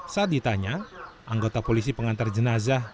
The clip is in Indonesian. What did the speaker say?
saat ditanya anggota polisi pengantar jenazah